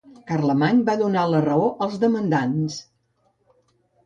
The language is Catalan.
Carlemany va donar la raó als demandants.